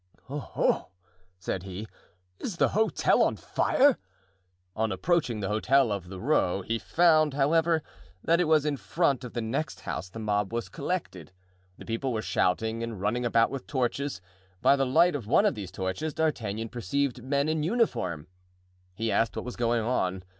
"Oho!" said he, "is the hotel on fire?" On approaching the hotel of the Roe he found, however, that it was in front of the next house the mob was collected. The people were shouting and running about with torches. By the light of one of these torches D'Artagnan perceived men in uniform. He asked what was going on.